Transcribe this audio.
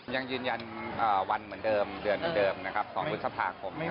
ยังยืนยันวันเหมือนเดิมเดือนเหมือนเดิมนะครับ๒พฤษภาคม